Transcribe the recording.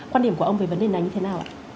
quan điểm của ông về vấn đề này như thế nào ạ